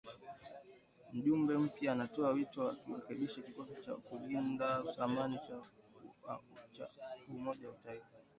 Mjumbe mpya anatoa wito wa kurekebishwa kikosi cha kulinda amani cha Umoja wa Mataifa .